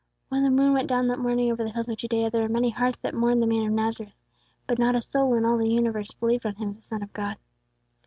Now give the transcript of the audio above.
When the moon went down that morning over the hills of Judea, there were many hearts that mourned the Man of Nazareth, but not a soul in all the universe believed on Him as the Son of God.